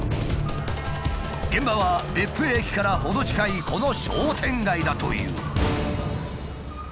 現場は別府駅から程近いこの商店街だという。